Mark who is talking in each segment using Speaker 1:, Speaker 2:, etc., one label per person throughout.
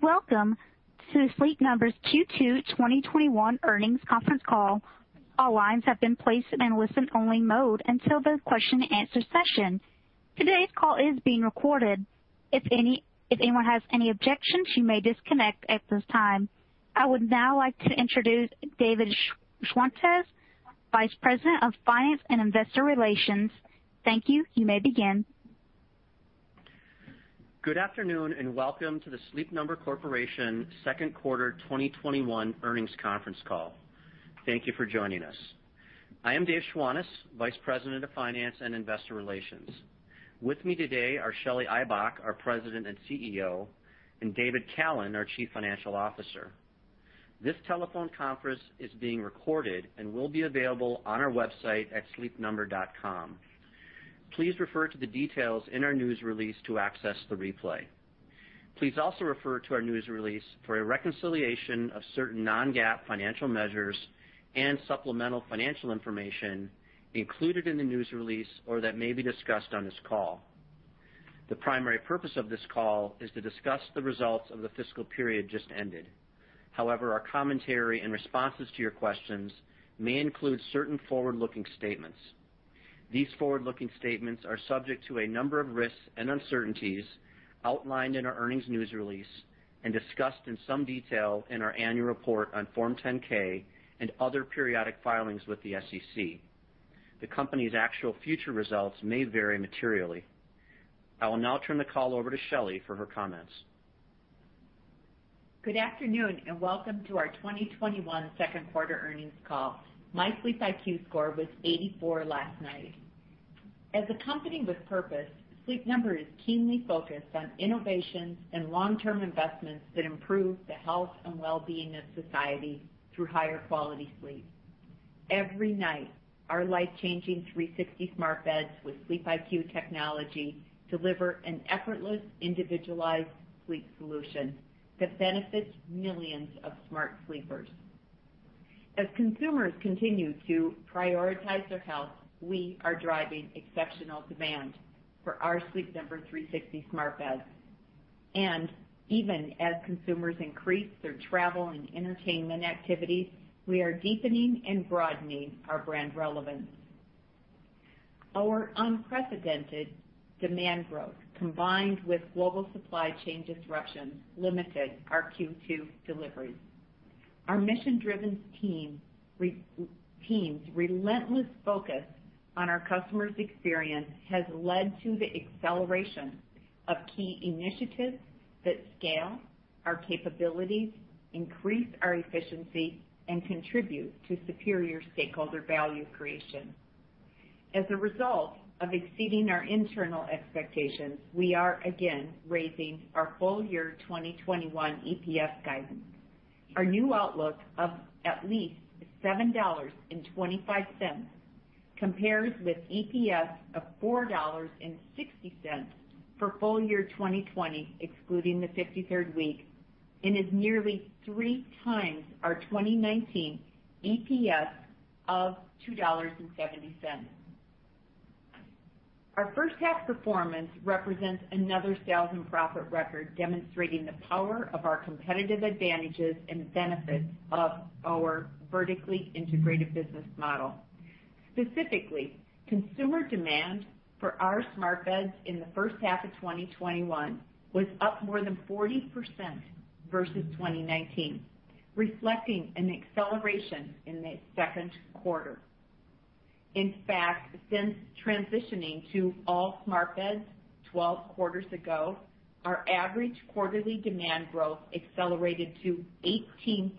Speaker 1: Welcome to the Sleep Number's Q2 2021 Earnings Conference Call. All lines have been placed in listen-only mode until the question and answer session. Today's call is being recorded. If anyone has any objections, you may disconnect at this time. I would now like to introduce David Schwantes, Vice President of Finance and Investor Relations. Thank you. You may begin.
Speaker 2: Good afternoon, and welcome to the Sleep Number Corporation Second Quarter 2021 Earnings Conference Call. Thank you for joining us. I am David Schwantes, Vice President of Finance and Investor Relations. With me today are Shelly Ibach, our President and CEO, and David Callen, our Chief Financial Officer. This telephone conference is being recorded and will be available on our website at sleepnumber.com. Please refer to the details in our news release to access the replay. Please also refer to our news release for a reconciliation of certain non-GAAP financial measures and supplemental financial information included in the news release or that may be discussed on this call. The primary purpose of this call is to discuss the results of the fiscal period just ended. However, our commentary and responses to your questions may include certain forward-looking statements. These forward-looking statements are subject to a number of risks and uncertainties outlined in our earnings news release and discussed in some detail in our annual report on Form 10-K and other periodic filings with the SEC. The company's actual future results may vary materially. I will now turn the call over to Shelly for her comments.
Speaker 3: Good afternoon, and welcome to our 2021 Second Quarter Earnings Call. My SleepIQ score was 84 last night. As a company with purpose, Sleep Number is keenly focused on innovations and long-term investments that improve the health and well-being of society through higher quality sleep. Every night, our life-changing 360 smart beds with SleepIQ technology deliver an effortless, individualized sleep solution that benefits millions of smart sleepers. As consumers continue to prioritize their health, we are driving exceptional demand for our Sleep Number 360 smart beds. Even as consumers increase their travel and entertainment activities, we are deepening and broadening our brand relevance. Our unprecedented demand growth, combined with global supply chain disruptions, limited our Q2 deliveries. Our mission-driven teams' relentless focus on our customers' experience has led to the acceleration of key initiatives that scale our capabilities, increase our efficiency, and contribute to superior stakeholder value creation. As a result of exceeding our internal expectations, we are again raising our full year 2021 EPS guidance. Our new outlook of at least $7.25 compares with EPS of $4.60 for full year 2020, excluding the 53rd week, and is nearly three times our 2019 EPS of $2.70. Our first half performance represents another sales and profit record, demonstrating the power of our competitive advantages and the benefits of our vertically integrated business model. Specifically, consumer demand for our smart beds in the first half of 2021 was up more than 40% versus 2019, reflecting an acceleration in the second quarter. In fact, since transitioning to all-smart beds 12 quarters ago, our average quarterly demand growth accelerated to 18%,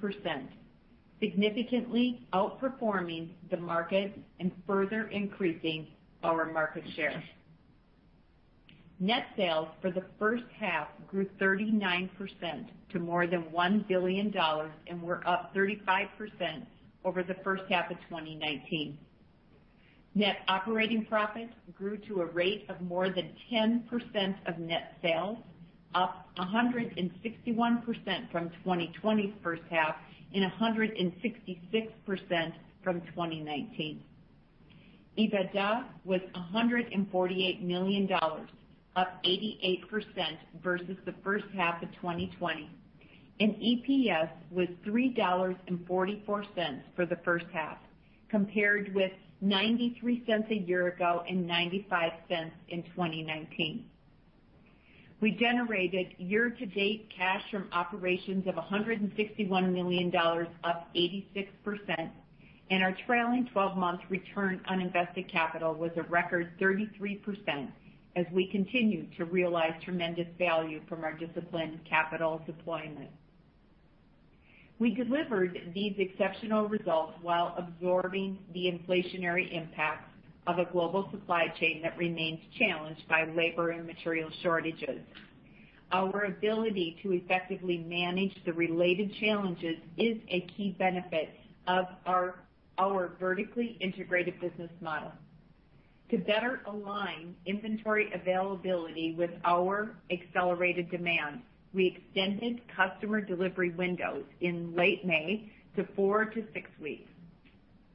Speaker 3: significantly outperforming the market and further increasing our market share. Net sales for the first half grew 39% to more than $1 billion and were up 35% over the first half of 2019. Net operating profit grew to a rate of more than 10% of net sales, up 161% from 2020's first half and 166% from 2019. EBITDA was $148 million, up 88% versus the first half of 2020, and EPS was $3.44 for the first half, compared with $0.93 a year ago and $0.95 in 2019. We generated year-to-date cash from operations of $161 million, up 86%, and our trailing 12-month return on invested capital was a record 33% as we continue to realize tremendous value from our disciplined capital deployment. We delivered these exceptional results while absorbing the inflationary impacts of a global supply chain that remains challenged by labor and material shortages. Our ability to effectively manage the related challenges is a key benefit of our vertically integrated business model. To better align inventory availability with our accelerated demand, we extended customer delivery windows in late May to four to six weeks.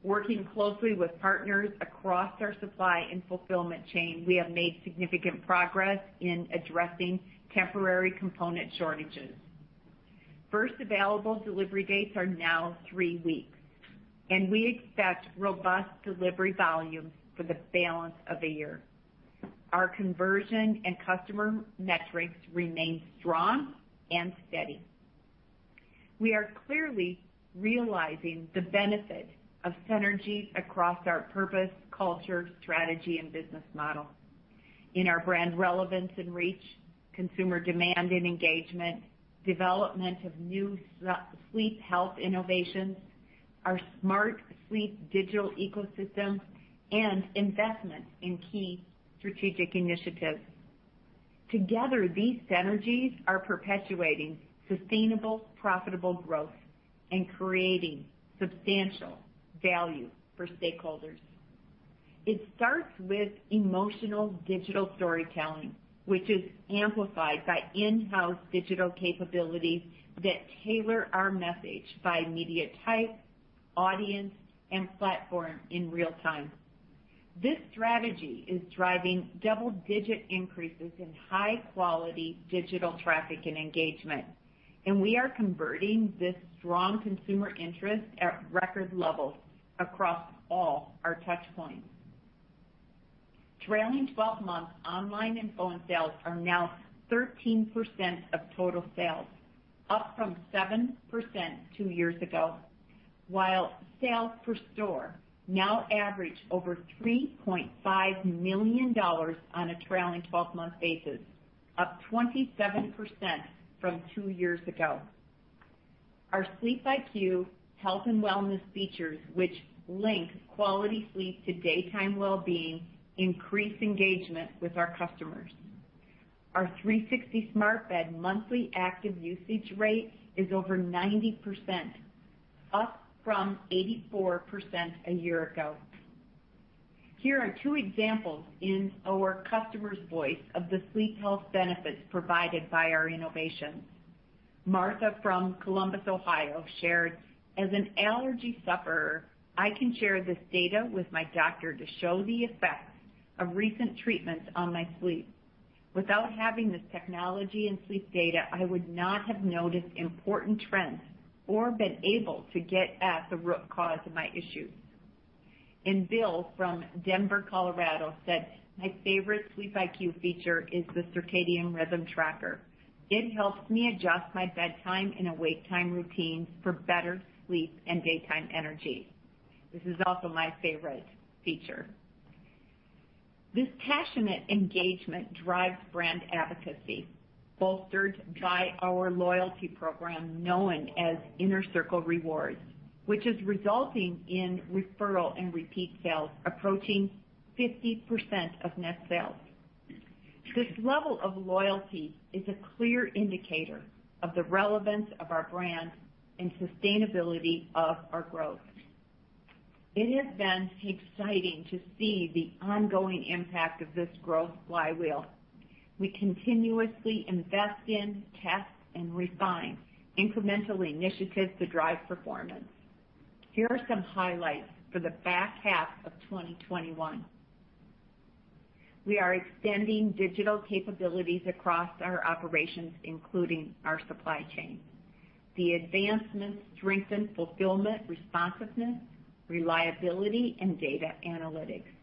Speaker 3: Working closely with partners across our supply and fulfillment chain, we have made significant progress in addressing temporary component shortages. First available delivery dates are now three weeks, and we expect robust delivery volumes for the balance of the year. Our conversion and customer metrics remain strong and steady. We are clearly realizing the benefit of synergies across our purpose, culture, strategy, and business model. In our brand relevance and reach, consumer demand and engagement, development of new sleep health innovations, our smart sleep digital ecosystem, and investment in key strategic initiatives. Together, these synergies are perpetuating sustainable, profitable growth and creating substantial value for stakeholders. It starts with emotional digital storytelling, which is amplified by in-house digital capabilities that tailor our message by media type, audience, and platform in real time. This strategy is driving double-digit increases in high-quality digital traffic and engagement, and we are converting this strong consumer interest at record levels across all our touch points. Trailing 12 months online and phone sales are now 13% of total sales, up from 7% two years ago, while sales per store now average over $3.5 million on a trailing 12-month basis, up 27% from two years ago. Our SleepIQ health and wellness features, which link quality sleep to daytime well-being, increase engagement with our customers. Our 360 smart bed monthly active usage rate is over 90%, up from 84% a year ago. Here are two examples in our customer's voice of the sleep health benefits provided by our innovations. Martha from Columbus, Ohio, shared, "As an allergy sufferer, I can share this data with my doctor to show the effects of recent treatments on my sleep. Without having this technology and sleep data, I would not have noticed important trends or been able to get at the root cause of my issues." Bill from Denver, Colorado, said, "My favorite SleepIQ feature is the Circadian Rhythm tracker. It helps me adjust my bedtime and awake time routines for better sleep and daytime energy." This is also my favorite feature. This passionate engagement drives brand advocacy, bolstered by our loyalty program known as InnerCircle Rewards, which is resulting in referral and repeat sales approaching 50% of net sales. This level of loyalty is a clear indicator of the relevance of our brand and sustainability of our growth. It has been exciting to see the ongoing impact of this growth flywheel. We continuously invest in, test, and refine incremental initiatives to drive performance. Here are some highlights for the back half of 2021. We are extending digital capabilities across our operations, including our supply chain. The advancements strengthen fulfillment, responsiveness, reliability, and data analytics.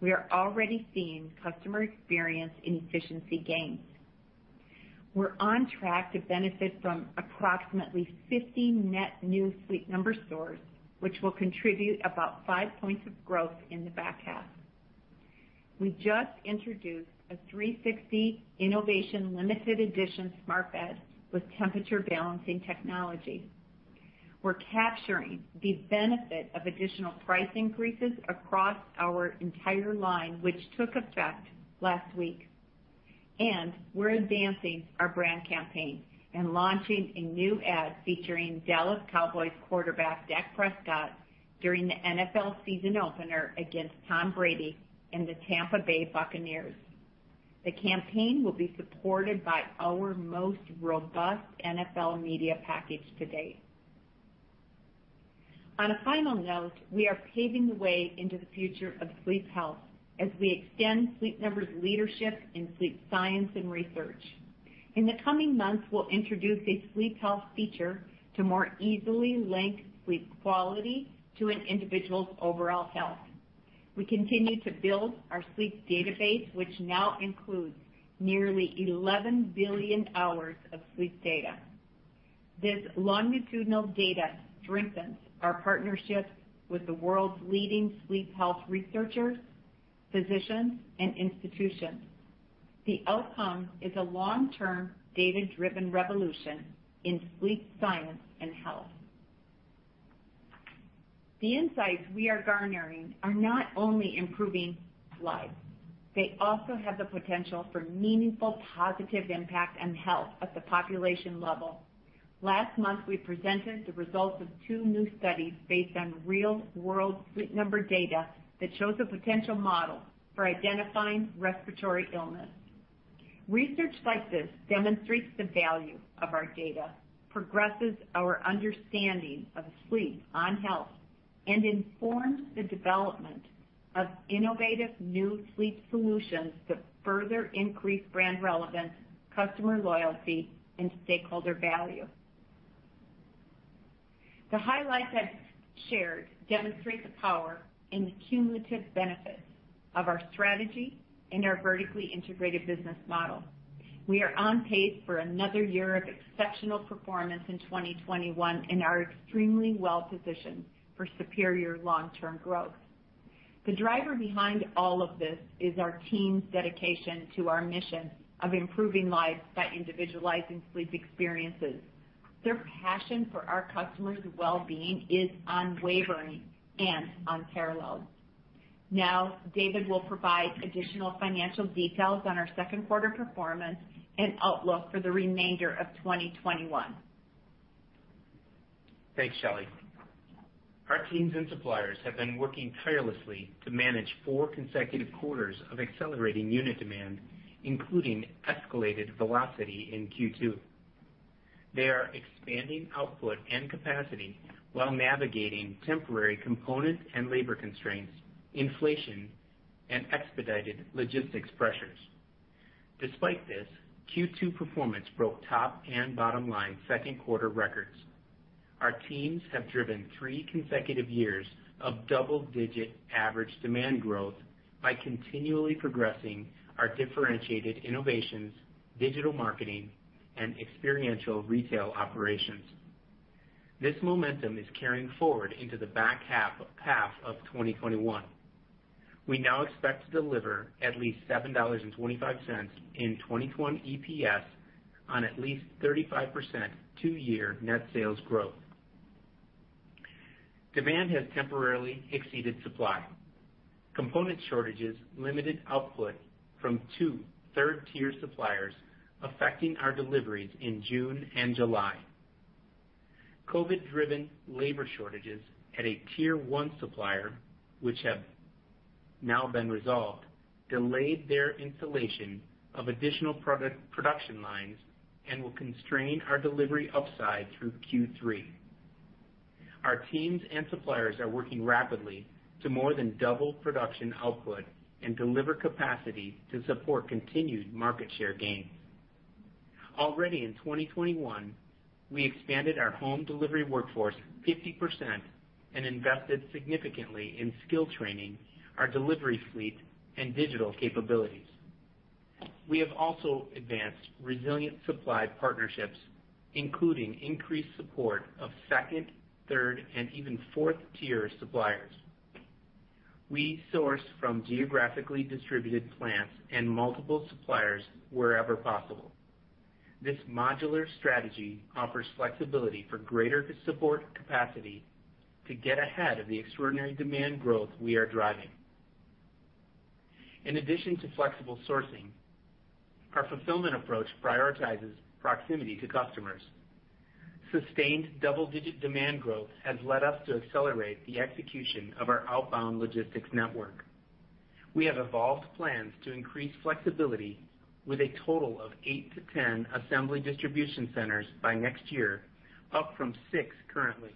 Speaker 3: We are already seeing customer experience and efficiency gains. We're on track to benefit from approximately 50 net new Sleep Number stores, which will contribute about five points of growth in the back half. We just introduced a 360 Innovation Limited Edition Smart Bed with temperature balancing technology. We're capturing the benefit of additional price increases across our entire line, which took effect last week. We're advancing our brand campaign and launching a new ad featuring Dallas Cowboys quarterback Dak Prescott during the NFL season opener against Tom Brady and the Tampa Bay Buccaneers. The campaign will be supported by our most robust NFL media package to date. On a final note, we are paving the way into the future of sleep health as we extend Sleep Number's leadership in sleep science and research. In the coming months, we'll introduce a sleep health feature to more easily link sleep quality to an individual's overall health. We continue to build our sleep database, which now includes nearly 11 billion hours of sleep data. This longitudinal data strengthens our partnerships with the world's leading sleep health researchers, physicians, and institutions. The outcome is a long-term, data-driven revolution in sleep science and health. The insights we are garnering are not only improving lives, they also have the potential for meaningful positive impact on health at the population level. Last month, we presented the results of two new studies based on real-world Sleep Number data that shows a potential model for identifying respiratory illness. Research like this demonstrates the value of our data, progresses our understanding of sleep on health, and informs the development of innovative new sleep solutions to further increase brand relevance, customer loyalty, and stakeholder value. The highlights I've shared demonstrate the power and the cumulative benefits of our strategy and our vertically integrated business model. We are on pace for another year of exceptional performance in 2021 and are extremely well-positioned for superior long-term growth. The driver behind all of this is our team's dedication to our mission of improving lives by individualizing sleep experiences. Their passion for our customers' well-being is unwavering and unparalleled. Now, David will provide additional financial details on our second quarter performance and outlook for the remainder of 2021.
Speaker 4: Thanks, Shelly. Our teams and suppliers have been working tirelessly to manage four consecutive quarters of accelerating unit demand, including escalated velocity in Q2. They are expanding output and capacity while navigating temporary component and labor constraints, inflation, and expedited logistics pressures. Despite this, Q2 performance broke top and bottom line second quarter records. Our teams have driven three consecutive years of double-digit average demand growth by continually progressing our differentiated innovations, digital marketing, and experiential retail operations. This momentum is carrying forward into the back half of 2021. We now expect to deliver at least $7.25 in 2021 EPS on at least 35% two-year net sales growth. Demand has temporarily exceeded supply. Component shortages limited output from two third-tier suppliers affecting our deliveries in June and July. COVID-driven labor shortages at a tier 1 supplier, which have now been resolved, delayed their installation of additional production lines and will constrain our delivery upside through Q3. Our teams and suppliers are working rapidly to more than double production output and deliver capacity to support continued market share gains. Already in 2021, we expanded our home delivery workforce 50% and invested significantly in skill training, our delivery fleet, and digital capabilities. We have also advanced resilient supply partnerships, including increased support of second -tier, third-tier, and even fourth-tier suppliers. We source from geographically distributed plants and multiple suppliers wherever possible. This modular strategy offers flexibility for greater support capacity to get ahead of the extraordinary demand growth we are driving. In addition to flexible sourcing, our fulfillment approach prioritizes proximity to customers. Sustained double-digit demand growth has led us to accelerate the execution of our outbound logistics network. We have evolved plans to increase flexibility with a total of 8-10 Assembly Distribution Centers by next year, up from six currently.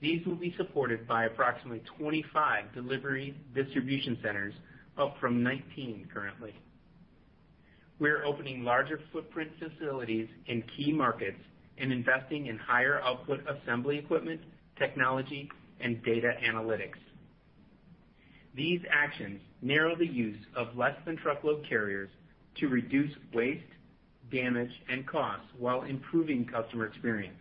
Speaker 4: These will be supported by approximately 25 Delivery Distribution Centers, up from 19 currently. We are opening larger footprint facilities in key markets and investing in higher output assembly equipment, technology, and data analytics. These actions narrow the use of less than truckload carriers to reduce waste, damage, and costs while improving customer experience.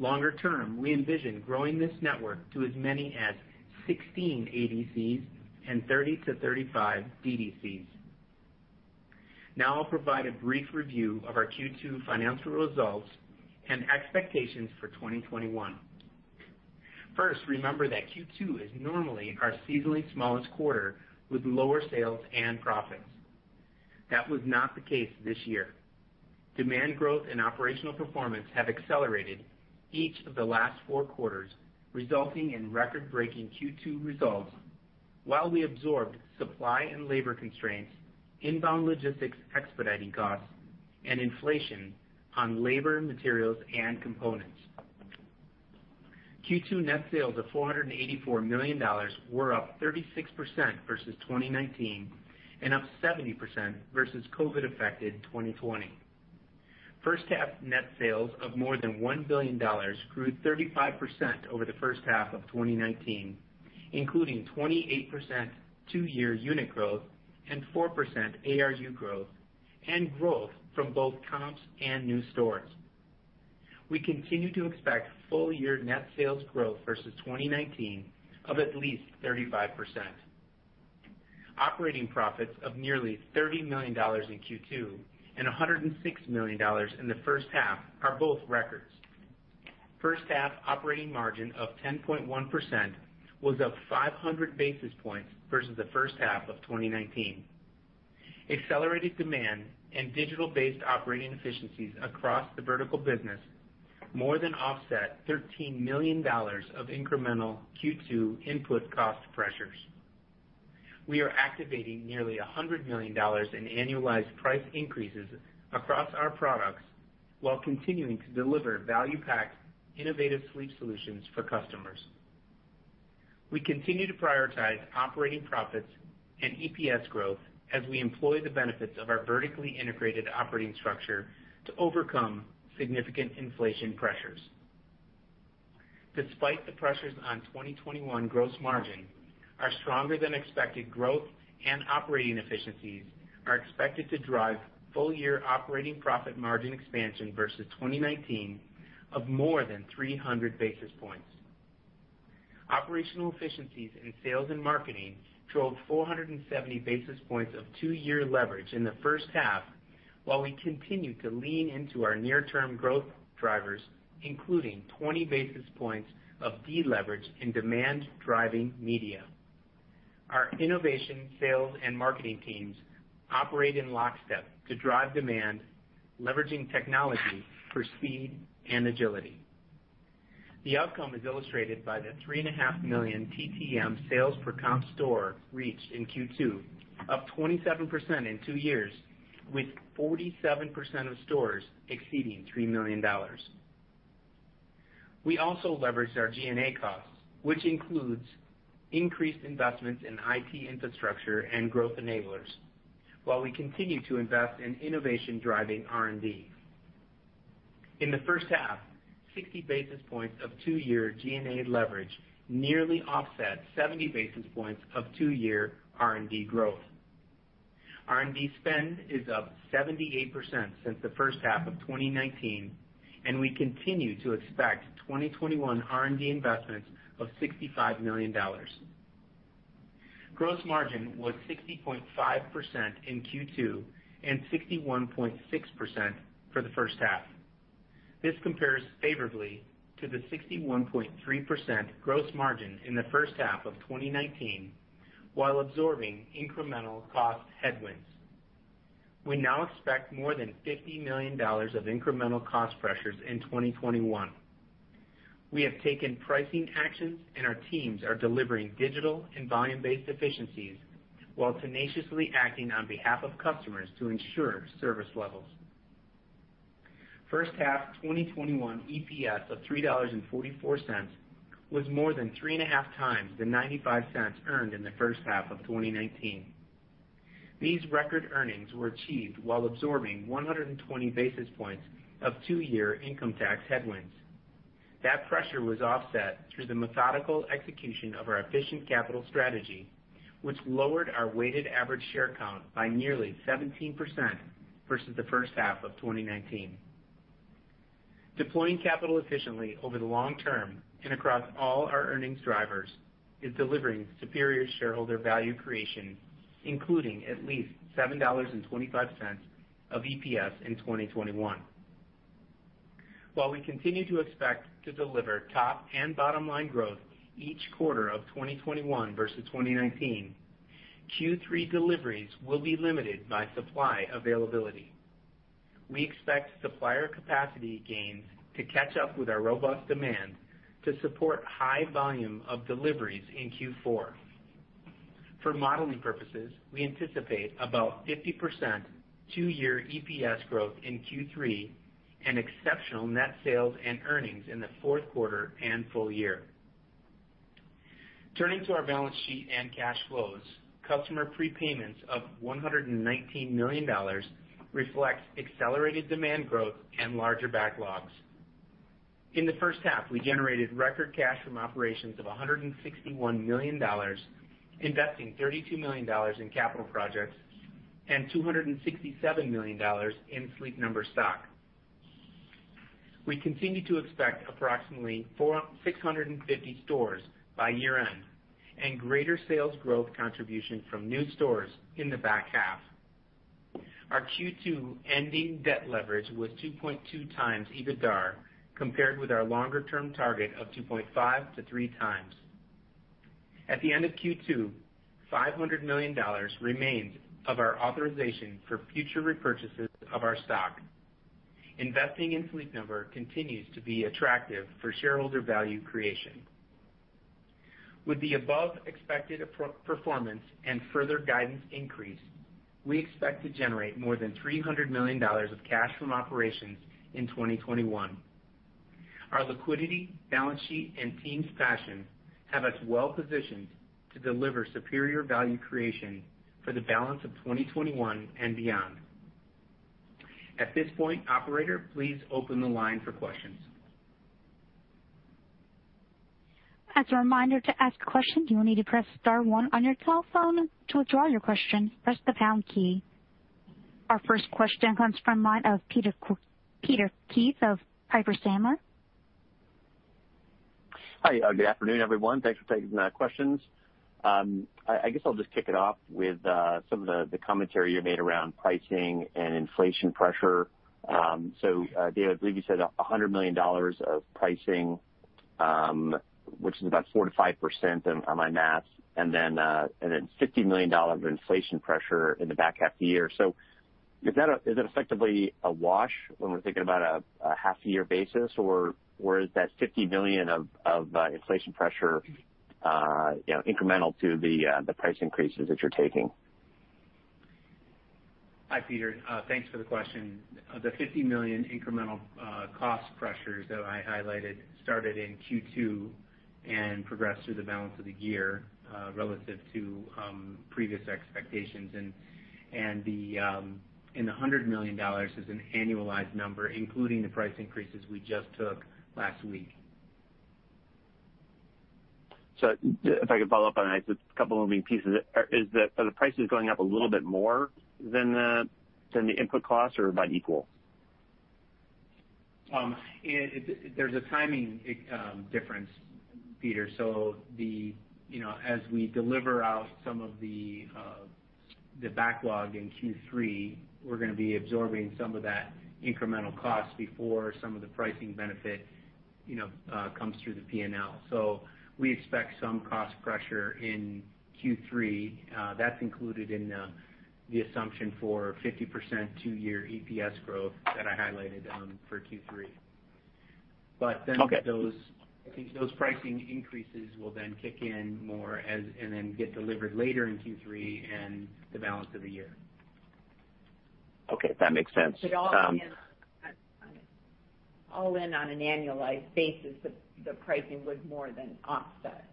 Speaker 4: Longer term, we envision growing this network to as many as 16 ADCs and 30-35 DDCs. I'll provide a brief review of our Q2 financial results and expectations for 2021. First, remember that Q2 is normally our seasonally smallest quarter, with lower sales and profits. That was not the case this year. Demand growth and operational performance have accelerated each of the last four quarters, resulting in record-breaking Q2 results while we absorbed supply and labor constraints, inbound logistics expediting costs, and inflation on labor, materials, and components. Q2 net sales of $484 million were up 36% versus 2019 and up 70% versus COVID-affected 2020. First half net sales of more than $1 billion grew 35% over the first half of 2019, including 28% two-year unit growth and 4% ARU growth and growth from both comps and new stores. We continue to expect full-year net sales growth versus 2019 of at least 35%. Operating profits of nearly $30 million in Q2 and $106 million in the first half are both records. First half operating margin of 10.1% was up 500 basis points versus the first half of 2019. Accelerated demand and digital-based operating efficiencies across the vertical business. More than offset $13 million of incremental Q2 input cost pressures. We are activating nearly $100 million in annualized price increases across our products, while continuing to deliver value-packed, innovative sleep solutions for customers. We continue to prioritize operating profits and EPS growth as we employ the benefits of our vertically integrated operating structure to overcome significant inflation pressures. Despite the pressures on 2021 gross margin, our stronger than expected growth and operating efficiencies are expected to drive full year operating profit margin expansion versus 2019, of more than 300 basis points. Operational efficiencies in sales and marketing drove 470 basis points of two-year leverage in the first half, while we continued to lean into our near-term growth drivers, including 20 basis points of deleverage in demand-driving media. Our innovation, sales, and marketing teams operate in lockstep to drive demand, leveraging technology for speed and agility. The outcome is illustrated by the $three and a half million TTM sales per comp store reached in Q2, up 27% in two years, with 47% of stores exceeding $3 million. We also leveraged our G&A costs, which includes increased investments in IT infrastructure and growth enablers, while we continue to invest in innovation-driving R&D. In the first half, 60 basis points of two-year G&A leverage nearly offset 70 basis points of two-year R&D growth. R&D spend is up 78% since the first half of 2019, and we continue to expect 2021 R&D investments of $65 million. Gross margin was 60.5% in Q2, and 61.6% for the first half. This compares favorably to the 61.3% gross margin in the first half of 2019, while absorbing incremental cost headwinds. We now expect more than $50 million of incremental cost pressures in 2021. We have taken pricing actions, and our teams are delivering digital and volume-based efficiencies, while tenaciously acting on behalf of customers to ensure service levels. First half 2021 EPS of $3.44 was more than three and a half times the $0.95 earned in the first half of 2019. These record earnings were achieved while absorbing 120 basis points of two-year income tax headwinds. That pressure was offset through the methodical execution of our efficient capital strategy, which lowered our weighted average share count by nearly 17% versus the first half of 2019. Deploying capital efficiently over the long term and across all our earnings drivers is delivering superior shareholder value creation, including at least $7.25 of EPS in 2021. While we continue to expect to deliver top and bottom line growth each quarter of 2021 versus 2019, Q3 deliveries will be limited by supply availability. We expect supplier capacity gains to catch up with our robust demand to support high volume of deliveries in Q4. For modeling purposes, we anticipate about 50% two-year EPS growth in Q3, and exceptional net sales and earnings in the fourth quarter and full year. Turning to our balance sheet and cash flows, customer prepayments of $119 million reflect accelerated demand growth and larger backlogs. In the first half, we generated record cash from operations of $161 million, investing $32 million in capital projects, and $267 million in Sleep Number stock. We continue to expect approximately 650 stores by year-end, and greater sales growth contribution from new stores in the back half. Our Q2 ending debt leverage was 2.2 times EBITDA, compared with our longer-term target of 2.5-3 times. At the end of Q2, $500 million remains of our authorization for future repurchases of our stock. Investing in Sleep Number continues to be attractive for shareholder value creation. With the above expected performance and further guidance increase, we expect to generate more than $300 million of cash from operations in 2021. Our liquidity, balance sheet, and team's passion have us well positioned to deliver superior value creation for the balance of 2021 and beyond. At this point, operator, please open the line for questions.
Speaker 1: As a reminder, to ask a question, you will need to press star one on your telephone. To withdraw your question, press the pound key. Our first question comes from the line of Peter Keith of Piper Sandler.
Speaker 5: Hi. Good afternoon, everyone. Thanks for taking questions. I guess I'll just kick it off with some of the commentary you made around pricing and inflation pressure. David, I believe you said $100 million of pricing, which is about 4%-5% on my math, and then $50 million of inflation pressure in the back half of the year. Is it effectively a wash when we're thinking about a half-year basis, or is that $50 million of inflation pressure incremental to the price increases that you're taking?
Speaker 4: Hi, Peter. Thanks for the question. The $50 million incremental cost pressures that I highlighted started in Q2 and progressed through the balance of the year relative to previous expectations. The $100 million is an annualized number, including the price increases we just took last week.
Speaker 5: If I could follow up on a couple of moving pieces. Are the prices going up a little bit more than the input costs or about equal?
Speaker 4: There's a timing difference, Peter. As we deliver out some of the backlog in Q3, we're going to be absorbing some of that incremental cost before some of the pricing benefit comes through the P&L. We expect some cost pressure in Q3. That's included in the assumption for 50% two-year EPS growth that I highlighted for Q3.
Speaker 5: Okay.
Speaker 4: Those pricing increases will then kick in more and then get delivered later in Q3 and the balance of the year.
Speaker 5: Okay. That makes sense.
Speaker 3: All in, on an annualized basis, the pricing would more than offset.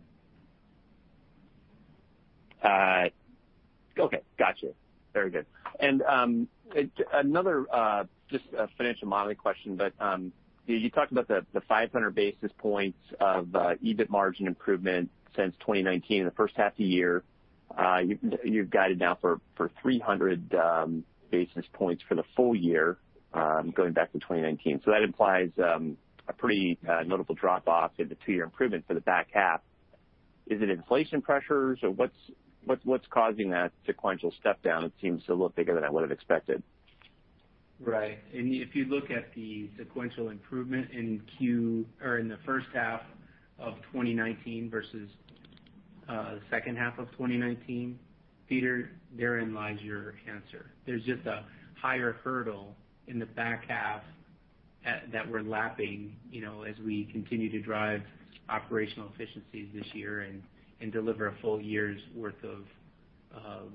Speaker 5: Okay. Got you. Very good. Another just financial modeling question, but you talked about the 500 basis points of EBIT margin improvement since 2019 in the first half of the year. You've guided now for 300 basis points for the full year, going back to 2019. That implies a pretty notable drop-off in the two-year improvement for the back half. Is it inflation pressures or what's causing that sequential step down? It seems a little bigger than I would've expected.
Speaker 4: Right. If you look at the sequential improvement in the first half of 2019 versus the second half of 2019, Peter, therein lies your answer. There's just a higher hurdle in the back half that we're lapping as we continue to drive operational efficiencies this year and deliver a full year's worth of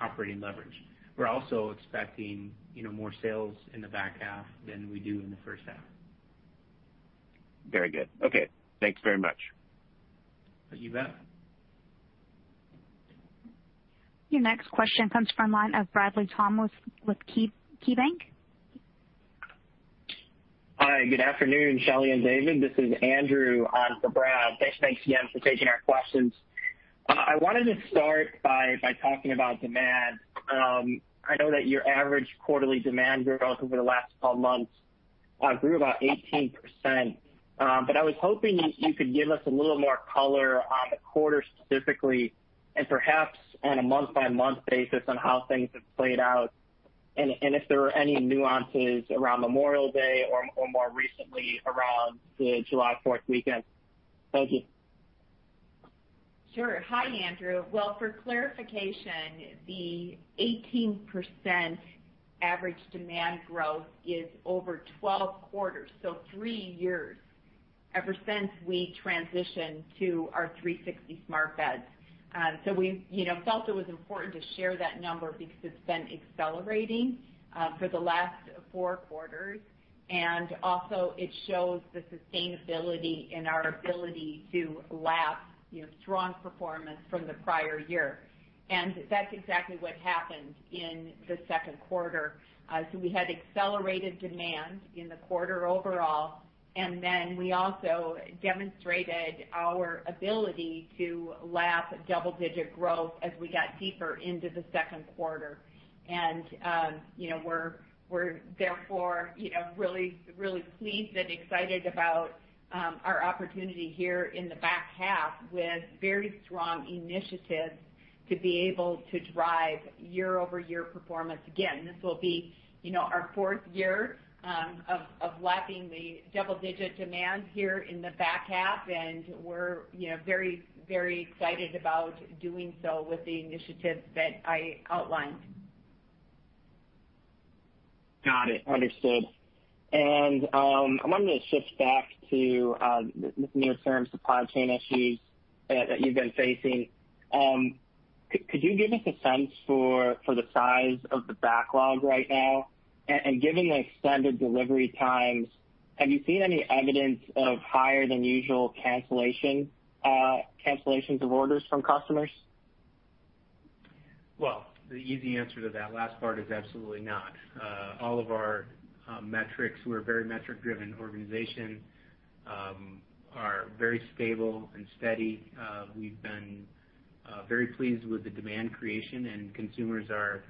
Speaker 4: operating leverage. We're also expecting more sales in the back half than we do in the first half.
Speaker 5: Very good. Okay. Thanks very much.
Speaker 4: You bet.
Speaker 1: Your next question comes from the line of Bradley Thomas with KeyBanc.
Speaker 6: Hi, good afternoon, Shelly and David. This is Andrew on for Brad. Thanks again for taking our questions. I wanted to start by talking about demand. I know that your average quarterly demand growth over the last 12 months grew about 18%. I was hoping you could give us a little more color on the quarter specifically and perhaps on a month-by-month basis on how things have played out and if there were any nuances around Memorial Day or more recently around the July 4th weekend. Thank you.
Speaker 3: Sure. Hi, Andrew. Well, for clarification, the 18% average demand growth is over 12 quarters, so three years, ever since we transitioned to our 360 smart beds. We felt it was important to share that number because it's been accelerating for the last four quarters, and also it shows the sustainability and our ability to lap strong performance from the prior year. That's exactly what happened in the second quarter. We had accelerated demand in the quarter overall, and then we also demonstrated our ability to lap double-digit growth as we got deeper into the second quarter. We're therefore really pleased and excited about our opportunity here in the back half with very strong initiatives to be able to drive year-over-year performance again. This will be our fourth year of lapping the double-digit demand here in the back half, and we're very excited about doing so with the initiatives that I outlined.
Speaker 6: Got it. Understood. I wanted to shift back to the near-term supply chain issues that you've been facing. Could you give us a sense for the size of the backlog right now? Given the extended delivery times, have you seen any evidence of higher than usual cancellations of orders from customers?
Speaker 4: The easy answer to that last part is absolutely not. All of our metrics, we're a very metric-driven organization, are very stable and steady. We've been very pleased with the demand creation, and consumers are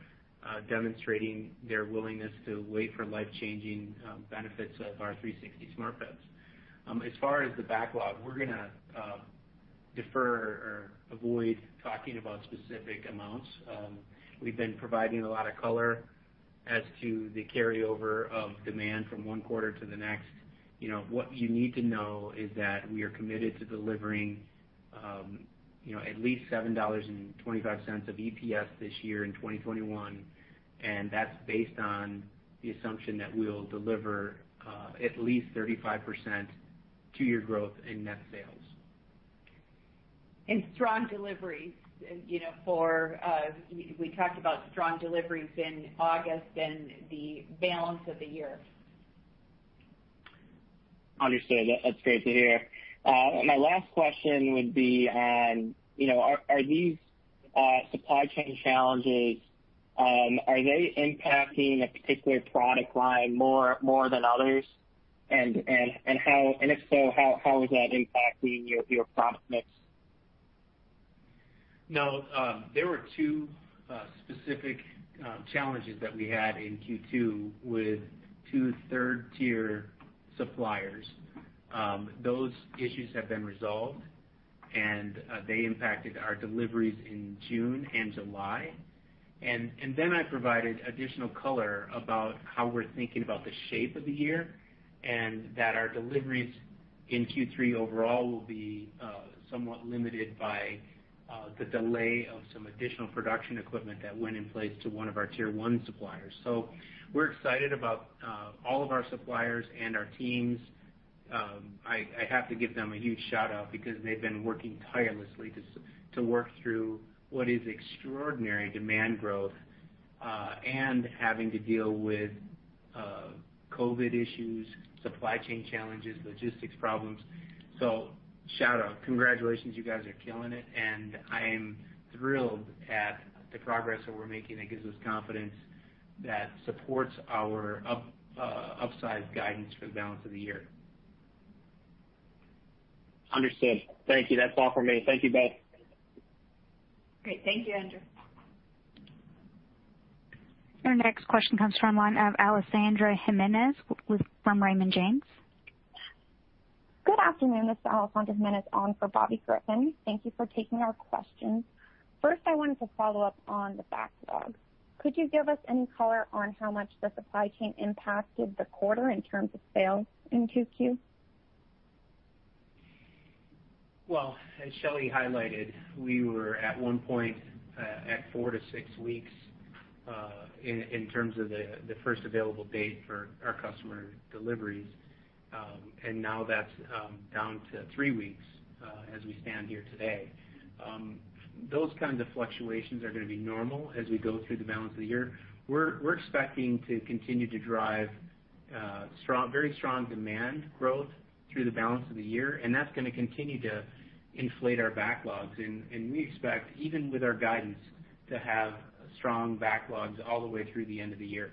Speaker 4: demonstrating their willingness to wait for life-changing benefits of our 360 smart beds. As far as the backlog, defer or avoid talking about specific amounts. We've been providing a lot of color as to the carryover of demand from one quarter to the next. What you need to know is that we are committed to delivering at least $7.25 of EPS this year in 2021, and that's based on the assumption that we'll deliver at least 35% two-year growth in net sales.
Speaker 3: Strong deliveries. We talked about strong deliveries in August and the balance of the year.
Speaker 6: Understood. That's great to hear. My last question would be on, are these supply chain challenges, are they impacting a particular product line more than others? If so, how is that impacting your product mix?
Speaker 4: No. There were two specific challenges that we had in Q2 with two third-tier suppliers. Those issues have been resolved, and they impacted our deliveries in June and July. I provided additional color about how we're thinking about the shape of the year, and that our deliveries in Q3 overall will be somewhat limited by the delay of some additional production equipment that went in place to one of our tier 1 suppliers. We're excited about all of our suppliers and our teams. I have to give them a huge shout-out because they've been working tirelessly to work through what is extraordinary demand growth, and having to deal with COVID issues, supply chain challenges, logistics problems. Shout-out. Congratulations, you guys are killing it, and I am thrilled at the progress that we're making. That gives us confidence that supports our upsized guidance for the balance of the year.
Speaker 6: Understood. Thank you. That's all for me. Thank you both.
Speaker 3: Great. Thank you, Andrew.
Speaker 1: Your next question comes from the line of Alessandra Jimenez from Raymond James.
Speaker 7: Good afternoon, this is Alessandra Jimenez on for Bobby Griffin. Thank you for taking our questions. First, I wanted to follow up on the backlog. Could you give us any color on how much the supply chain impacted the quarter in terms of sales in 2Q?
Speaker 4: Well, as Shelly highlighted, we were at one point at four to six weeks in terms of the first available date for our customer deliveries. Now that is down to three weeks as we stand here today. Those kinds of fluctuations are going to be normal as we go through the balance of the year. We are expecting to continue to drive very strong demand growth through the balance of the year, and that is going to continue to inflate our backlogs. We expect, even with our guidance, to have strong backlogs all the way through the end of the year.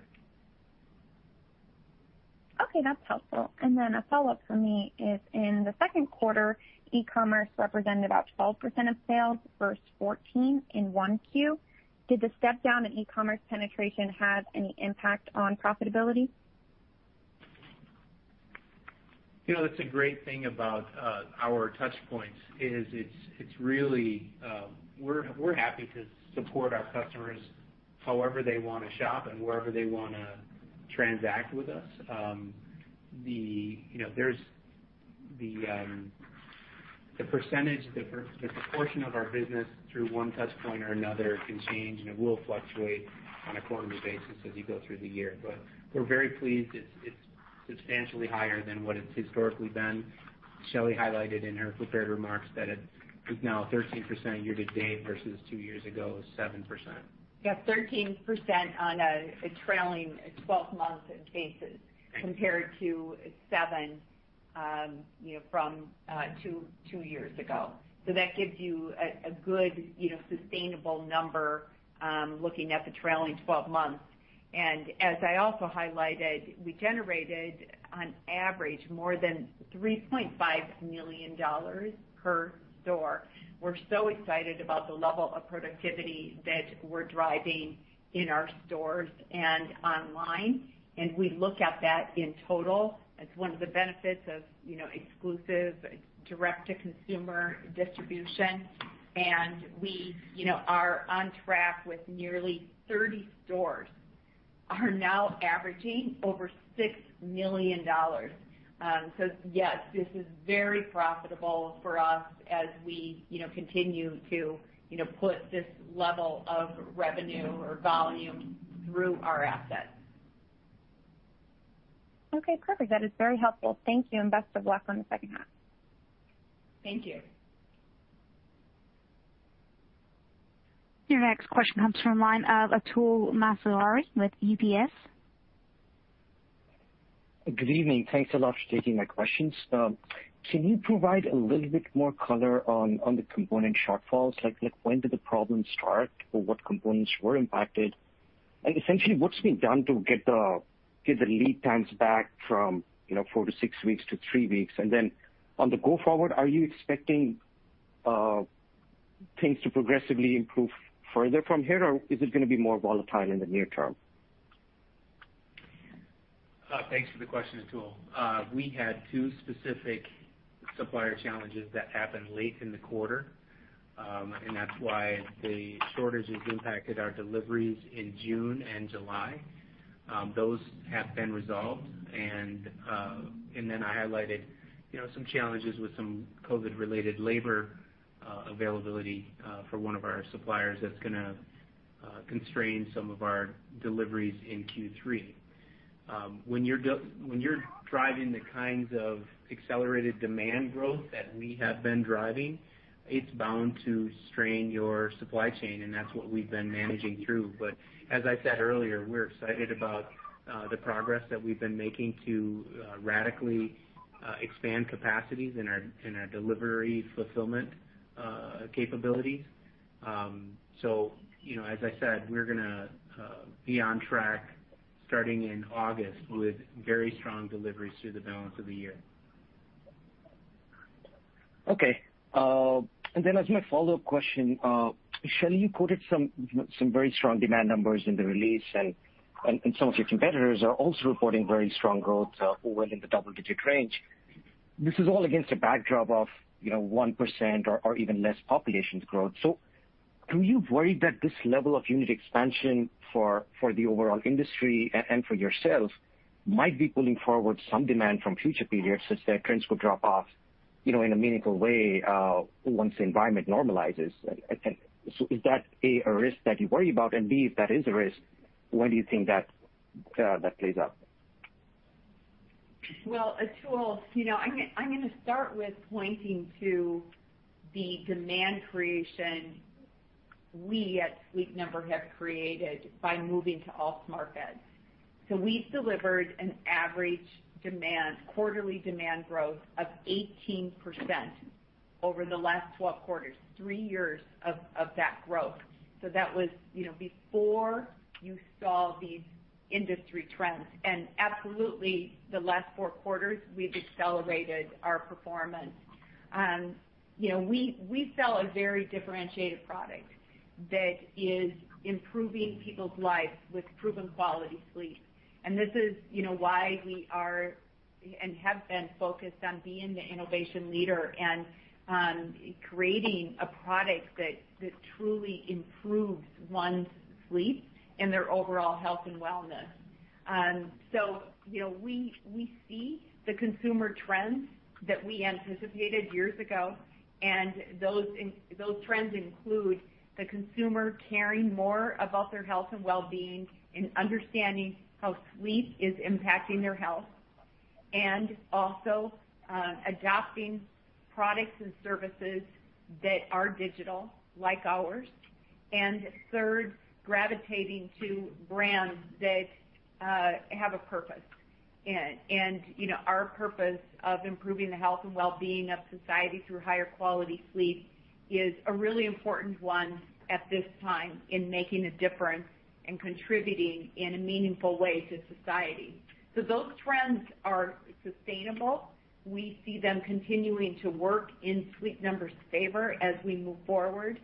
Speaker 7: Okay. That's helpful. A follow-up from me is, in the second quarter, e-commerce represented about 12% of sales versus 14% in 1Q. Did the step down in e-commerce penetration have any impact on profitability?
Speaker 4: That's a great thing about our touch points. We're happy to support our customers however they want to shop and wherever they want to transact with us. The percentage, the proportion of our business through one touch point or another can change. It will fluctuate on a quarterly basis as you go through the year. We're very pleased it's substantially higher than what it's historically been. Shelly highlighted in her prepared remarks that it is now 13% year to date versus two years ago, it was 7%.
Speaker 3: Yeah, 13% on a trailing 12 months basis compared to 7% from two years ago. That gives you a good sustainable number, looking at the trailing 12 months. As I also highlighted, we generated on average more than $3.5 million per store. We're so excited about the level of productivity that we're driving in our stores and online, and we look at that in total as one of the benefits of exclusive direct-to-consumer distribution. We are on track with nearly 30 stores are now averaging over $6 million. Yes, this is very profitable for us as we continue to put this level of revenue or volume through our assets.
Speaker 7: Okay, perfect. That is very helpful. Thank you, and best of luck on the second half.
Speaker 3: Thank you.
Speaker 1: Your next question comes from the line of Atul Maheswari with UBS.
Speaker 8: Good evening. Thanks a lot for taking my questions. Can you provide a little bit more color on the component shortfalls? Like when did the problem start, or what components were impacted? Essentially, what's been done to get the lead times back from four to six weeks to three weeks? On the go forward, are you expecting things to progressively improve further from here, or is it going to be more volatile in the near term?
Speaker 4: Thanks for the question, Atul. We had two specific supplier challenges that happened late in the quarter, and that's why the shortages impacted our deliveries in June and July. Those have been resolved. Then I highlighted some challenges with some COVID-related labor availability for one of our suppliers that's going to constrain some of our deliveries in Q3. When you're driving the kinds of accelerated demand growth that we have been driving, it's bound to strain your supply chain, and that's what we've been managing through. As I said earlier, we're excited about the progress that we've been making to radically expand capacities in our delivery fulfillment capabilities. As I said, we're going to be on track starting in August with very strong deliveries through the balance of the year.
Speaker 8: Okay. As my follow-up question, Shelly, you quoted some very strong demand numbers in the release, and some of your competitors are also reporting very strong growth over in the double-digit range. This is all against a backdrop of 1% or even less population growth. Are you worried that this level of unit expansion for the overall industry and for yourselves might be pulling forward some demand from future periods, since their trends could drop off in a meaningful way once the environment normalizes? Is that, A, a risk that you worry about, and B, if that is a risk, when do you think that plays out?
Speaker 3: Atul, I'm going to start with pointing to the demand creation we at Sleep Number have created by moving to all smart beds. We've delivered an average quarterly demand growth of 18% over the last 12 quarters, three years of that growth. Absolutely, the last four quarters, we've accelerated our performance. We sell a very differentiated product that is improving people's lives with proven quality sleep. This is why we are, and have been, focused on being the innovation leader and on creating a product that truly improves one's sleep and their overall health and wellness. We see the consumer trends that we anticipated years ago, and those trends include the consumer caring more about their health and wellbeing and understanding how sleep is impacting their health, and also adopting products and services that are digital, like ours. Third, gravitating to brands that have a purpose. Our purpose of improving the health and wellbeing of society through higher quality sleep is a really important one at this time in making a difference and contributing in a meaningful way to society. Those trends are sustainable. We see them continuing to work in Sleep Number's favor as we move forward.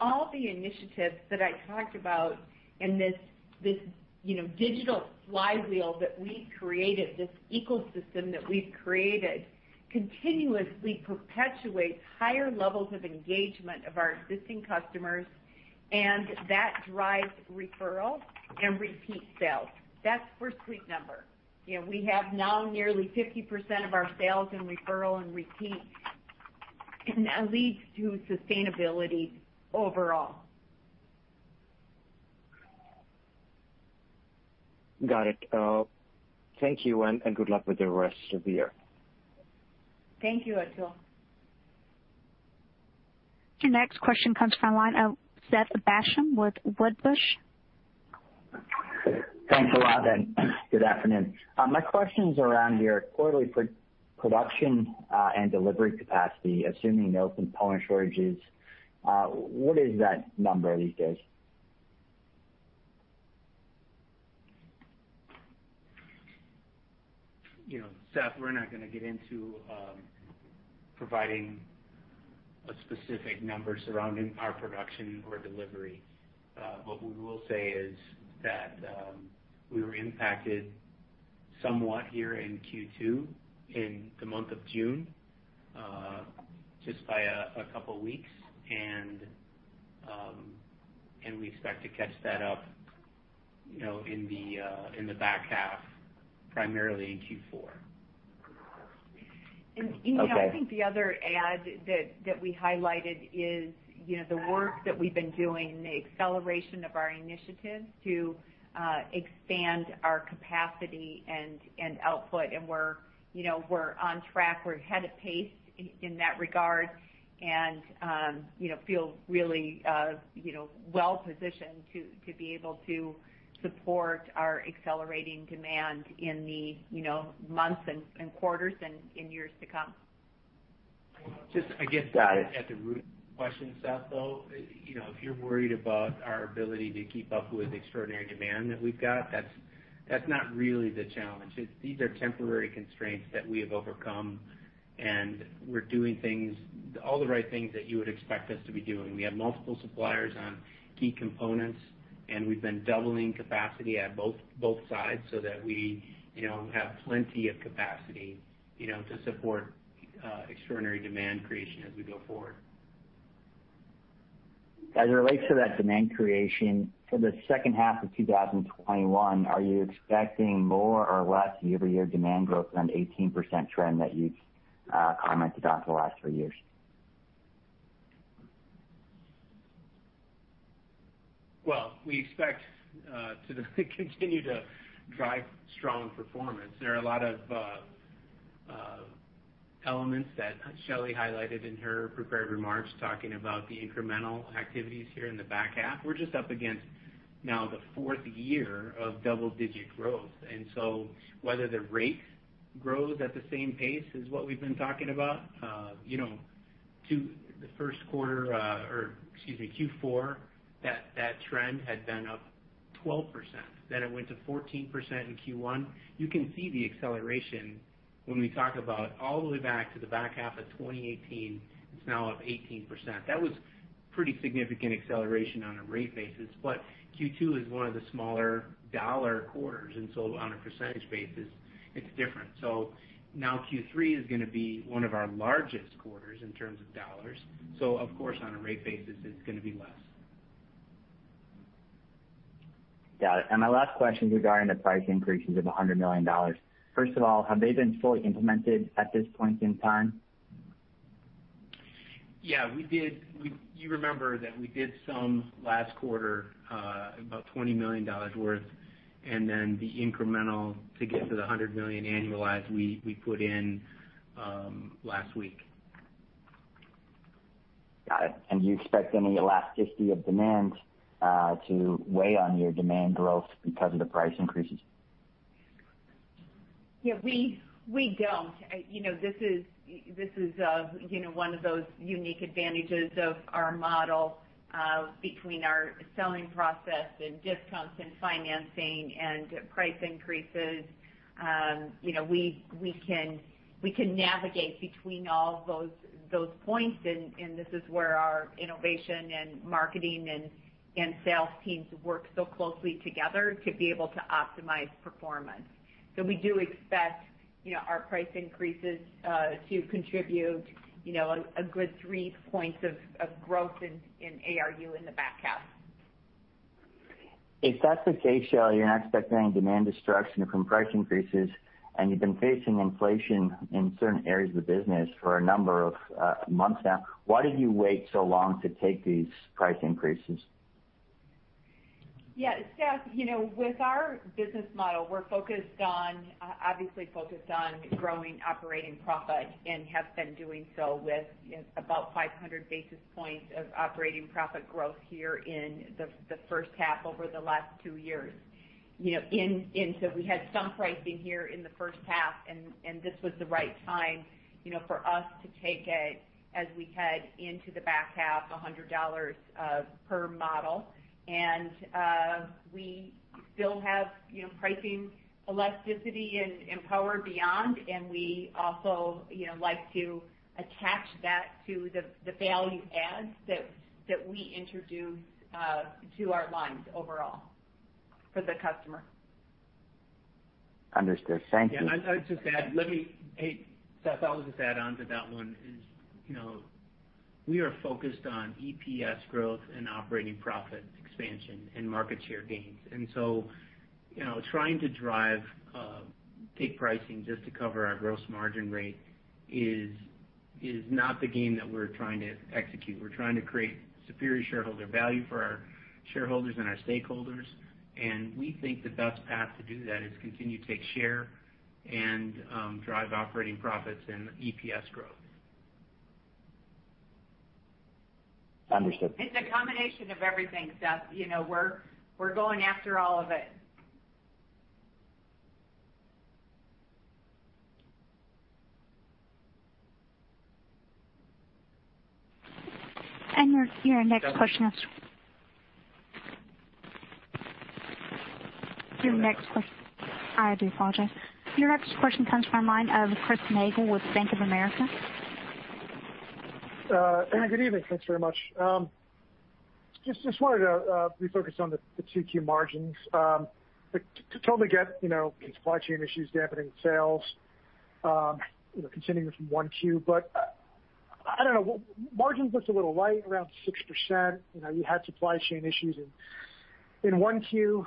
Speaker 3: All the initiatives that I talked about in this digital flywheel that we've created, this ecosystem that we've created, continuously perpetuates higher levels of engagement of our existing customers, and that drives referral and repeat sales. That's for Sleep Number. We have now nearly 50% of our sales in referral and repeat, and that leads to sustainability overall.
Speaker 8: Got it. Thank you, and good luck with the rest of the year.
Speaker 3: Thank you, Atul.
Speaker 1: Your next question comes from the line of Seth Basham with Wedbush.
Speaker 9: Thanks a lot, and good afternoon. My question's around your quarterly production and delivery capacity, assuming no component shortages. What is that number these days?
Speaker 4: Seth, we're not going to get into providing a specific number surrounding our production or delivery. What we will say is that we were impacted somewhat here in Q2, in the month of June, just by a couple of weeks, and we expect to catch that up in the back half, primarily in Q4.
Speaker 3: Seth,
Speaker 9: Okay
Speaker 3: I think the other add that we highlighted is the work that we've been doing, the acceleration of our initiatives to expand our capacity and output. We're on track, we're ahead of pace in that regard, and feel really well-positioned to be able to support our accelerating demand in the months and quarters and years to come.
Speaker 4: Well, just I guess-
Speaker 9: Got it.
Speaker 4: at the root question, Seth, though, if you're worried about our ability to keep up with the extraordinary demand that we've got, that's not really the challenge. These are temporary constraints that we have overcome, and we're doing all the right things that you would expect us to be doing. We have multiple suppliers on key components, and we've been doubling capacity at both sides so that we have plenty of capacity to support extraordinary demand creation as we go forward.
Speaker 9: As it relates to that demand creation, for the second half of 2021, are you expecting more or less year-over-year demand growth than the 18% trend that you've commented on for the last three years?
Speaker 4: Well, we expect to continue to drive strong performance. There are a lot of elements that Shelly highlighted in her prepared remarks, talking about the incremental activities here in the back half. We're just up against now the fourth year of double-digit growth. Whether the rate grows at the same pace as what we've been talking about. Q4, that trend had been up 12%, then it went to 14% in Q1. You can see the acceleration when we talk about all the way back to the back half of 2018. It's now up 18%. That was pretty significant acceleration on a rate basis. Q2 is one of the smaller dollar quarters, on a percentage basis, it's different. Q3 is going to be one of our largest quarters in terms of dollars. Of course, on a rate basis, it's going to be less.
Speaker 9: Got it. My last question regarding the price increases of $100 million. First of all, have they been fully implemented at this point in time?
Speaker 4: Yeah. You remember that we did some last quarter, about $20 million worth, and then the incremental to get to the $100 million annualized, we put in last week.
Speaker 9: Got it. Do you expect any elasticity of demand to weigh on your demand growth because of the price increases?
Speaker 3: Yeah, we don't. This is one of those unique advantages of our model between our selling process and discounts and financing and price increases. We can navigate between all of those points, and this is where our innovation and marketing and sales teams work so closely together to be able to optimize performance. We do expect our price increases to contribute a good three points of growth in ARU in the back half.
Speaker 9: If that's the case, Shelly, you're not expecting any demand destruction from price increases. You've been facing inflation in certain areas of the business for a number of months now. Why did you wait so long to take these price increases?
Speaker 3: Yeah, Seth. With our business model, we're obviously focused on growing operating profit and have been doing so with about 500 basis points of operating profit growth here in the first half over the last two years. We had some pricing here in the first half, and this was the right time for us to take it as we head into the back half, $100 per model. We still have pricing elasticity and power beyond, and we also like to attach that to the value adds that we introduce to our lines overall for the customer.
Speaker 9: Understood. Thank you.
Speaker 4: Yeah. Seth, I would just add onto that one is, we are focused on EPS growth and operating profit expansion and market share gains. Trying to take pricing just to cover our gross margin rate is not the game that we're trying to execute. We're trying to create superior shareholder value for our shareholders and our stakeholders, and we think the best path to do that is continue to take share and drive operating profits and EPS growth.
Speaker 9: Understood.
Speaker 3: It's a combination of everything, Seth. We're going after all of it.
Speaker 1: Your next question.
Speaker 9: Stephanie.
Speaker 1: I do apologize. Your next question comes from the line of Curtis Nagle with Bank of America.
Speaker 10: Good evening. Thanks very much. Just wanted to refocus on the 2Q margins. Totally get supply chain issues dampening sales, continuing from 1Q. I don't know, margins looked a little light, around 6%. You had supply chain issues in 1Q.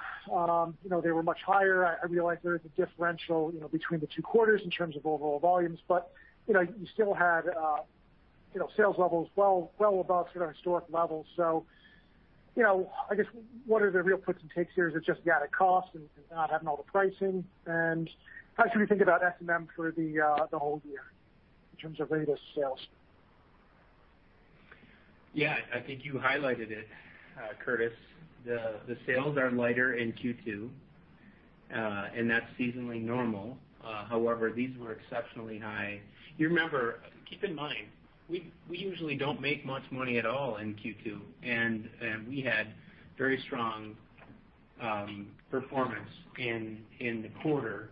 Speaker 10: They were much higher. I realize there is a differential between the two quarters in terms of overall volumes, but you still had sales levels well above sort of historic levels. I guess what are the real puts and takes here? Is it just added cost and not having all the pricing? How should we think about S&M for the whole year in terms of rate of sales?
Speaker 4: Yeah. I think you highlighted it, Curtis Nagle. The sales are lighter in Q2, and that's seasonally normal. However, these were exceptionally high. Keep in mind, we usually don't make much money at all in Q2, and we had very strong performance in the quarter.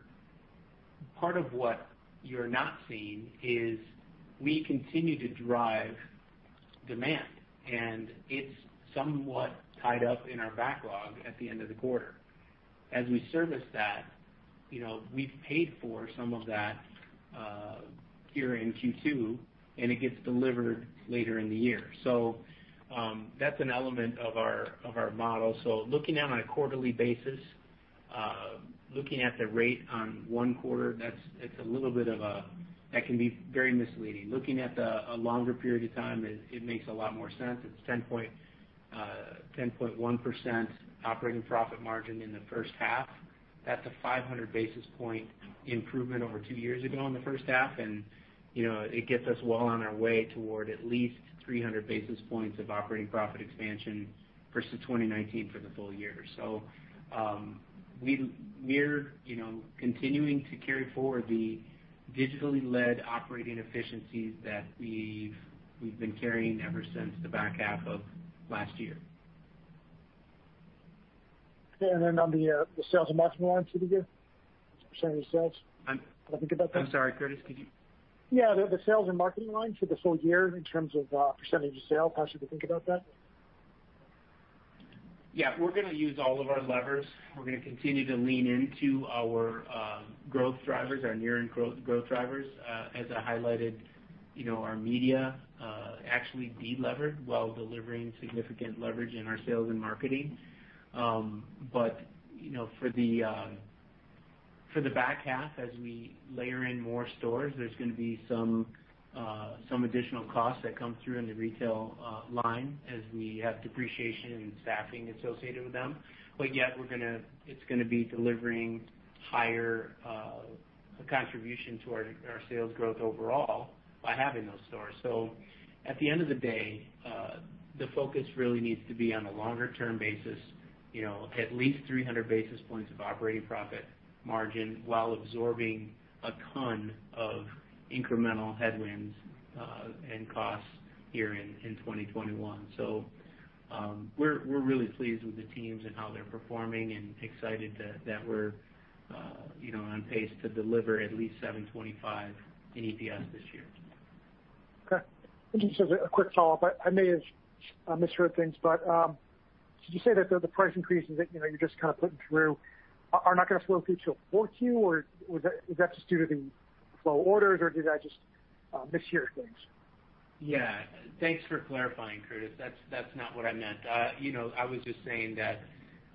Speaker 4: Part of what you're not seeing is we continue to drive demand. It's somewhat tied up in our backlog at the end of the quarter. As we service that, we've paid for some of that here in Q2, and it gets delivered later in the year. That's an element of our model. Looking at it on a quarterly basis, looking at the rate on one quarter, that can be very misleading. Looking at the longer period of time, it makes a lot more sense. It's 10.1% operating profit margin in the first half. That's a 500 basis point improvement over two years ago in the first half, and it gets us well on our way toward at least 300 basis points of operating profit expansion versus 2019 for the full year. We're continuing to carry forward the digitally led operating efficiencies that we've been carrying ever since the back half of last year.
Speaker 10: Okay, on the sales and marketing line for the year, as a percentage of sales.
Speaker 4: I'm sorry, Curtis, could you?
Speaker 10: Yeah, the sales and marketing line for the full year, in terms of percentage of sales, how should we think about that?
Speaker 4: Yeah. We're going to use all of our levers. We're going to continue to lean into our growth drivers, our near-in growth drivers. As I highlighted, our media actually delevered while delivering significant leverage in our sales and marketing. For the back half, as we layer in more stores, there's going to be some additional costs that come through in the retail line as we have depreciation and staffing associated with them. Yet, it's going to be delivering higher contribution to our sales growth overall by having those stores. At the end of the day, the focus really needs to be on a longer-term basis, at least 300 basis points of operating profit margin while absorbing a ton of incremental headwinds and costs here in 2021. We're really pleased with the teams and how they're performing and excited that we're on pace to deliver at least $7.25 in EPS this year.
Speaker 10: Okay. Just as a quick follow-up, I may have misheard things, but did you say that the price increases that you're just kind of putting through are not going to flow through till 4Q, or is that just due to the flow of orders, or did I just mishear things?
Speaker 4: Yeah. Thanks for clarifying, Curtis. That's not what I meant. I was just saying that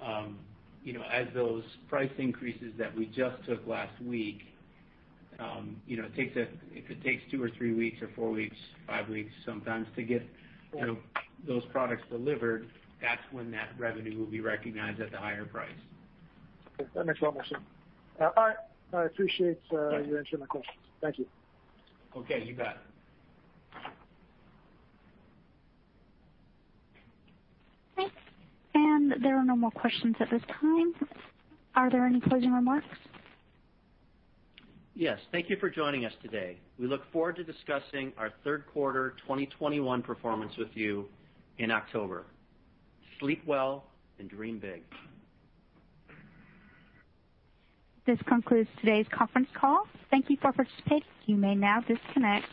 Speaker 4: as those price increases that we just took last week, if it takes two or three weeks, or four weeks, five weeks sometimes to get those products delivered, that's when that revenue will be recognized at the higher price.
Speaker 10: Okay. That makes a lot more sense. All right. I appreciate you answering my questions. Thank you.
Speaker 4: Okay, you bet.
Speaker 1: There are no more questions at this time. Are there any closing remarks?
Speaker 4: Yes, thank you for joining us today. We look forward to discussing our third quarter 2021 performance with you in October. Sleep well and dream big.
Speaker 1: This concludes today's conference call. Thank you for participating. You may now disconnect.